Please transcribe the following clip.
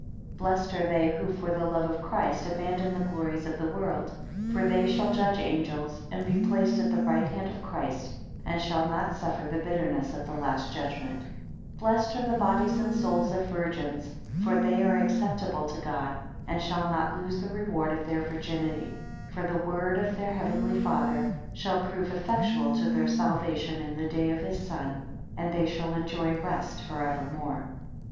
21 Blessed are they, who for the love of Christ abandon the glories of the world, for they shall judge angels, and be placed at the right hand of Christ, and shall not suffer the bitterness of the last judgment. 22 Blessed are the bodies and souls of virgins; for they are acceptable to God, and shall not lose the reward of their virginity; for the word of their (heavenly) Father shall prove effectual to their salvation in the day of his Son, and they shall enjoy rest for evermore.